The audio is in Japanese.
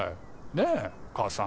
ねえ母さん。